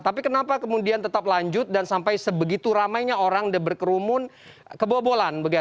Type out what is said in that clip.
tapi kenapa kemudian tetap lanjut dan sampai sebegitu ramainya orang berkerumun kebobolan